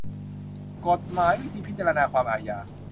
กฎหมายวิธีพิจารณาความอาญา